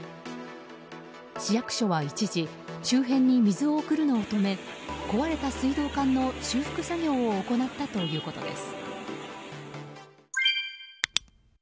市役所は一時周辺に水を送るのを止め壊れた水道管の修復作業を行ったということです。